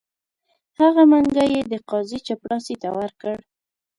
هغه منګی یې د قاضي چپړاسي ته ورکړ.